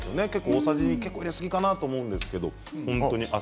大さじ２入れすぎかなと思うんですけど。